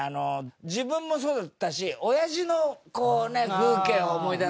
自分もそうだったし親父の風景を思い出すね。